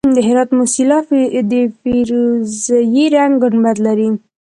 د هرات موسیلا د فیروزي رنګ ګنبد لري